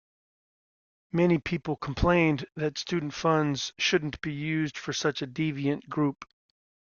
Many people complained that student funds shouldn't be used for such a "deviant" group.